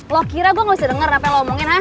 lo kira gue gak bisa denger apa yang lo omongin hah